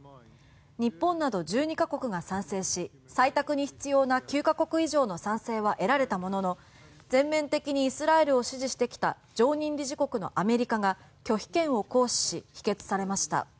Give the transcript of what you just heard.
日本など１２カ国が賛成し採択に必要な９カ国以上の賛成は得られたものの全面的にイスラエルを支持してきた常任理事国のアメリカが拒否権を行使し否決されました。